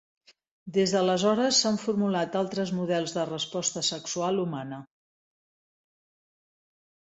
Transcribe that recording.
Des d'aleshores, s'han formulat altres models de resposta sexual humana.